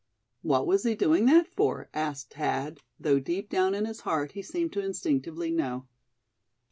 "What was he doing that for?" asked Thad, though deep down in his heart he seemed to instinctively know.